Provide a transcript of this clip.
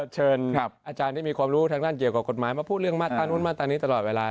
เชิญอาจารย์ที่มีความรู้ทางด้านเกี่ยวกับกฎหมายมาพูดเรื่องมาตรานู้นมาตรานี้ตลอดเวลา